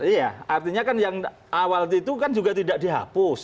iya artinya kan yang awal itu kan juga tidak dihapus